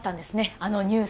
あのニュース。